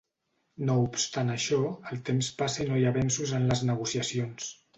No obstant això, el temps passa i no hi ha avenços en les negociacions.